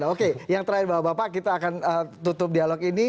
oke yang terakhir bapak bapak kita akan tutup dialog ini